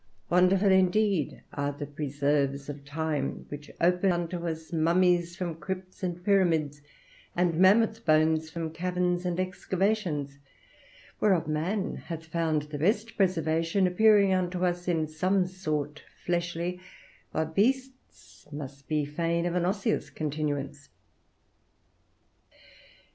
Wonderful indeed are the preserves of time, which openeth unto us mummies from crypts and pyramids, and mammoth bones from caverns and excavations; whereof man hath found the best preservation, appearing unto us in some sort fleshly, while beasts must be fain of an osseous continuance.